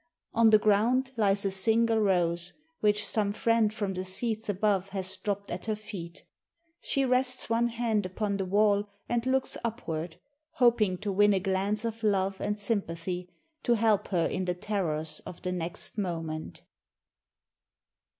On the ground lies a single rose, which some friend from the seats above has dropped at her feet. She rests one hand upon the wall and looks upward, hoping to win a glance of love and sympathy to help her in the terrors of the next moment.